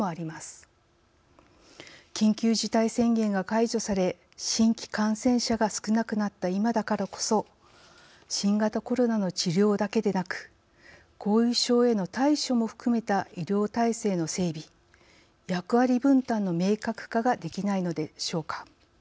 緊急事態宣言が解除され新規感染者が少なくなった今だからこそ新型コロナの治療だけでなく後遺症への対処も含めた医療体制の整備役割分担の明確化ができないのでしょうか。